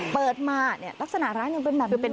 เปิดมาลักษณะร้านยังเป็นหนังนู่น